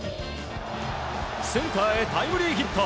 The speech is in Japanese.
センターへタイムリーヒット。